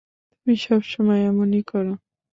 তুমি সবসময় এমনই করো।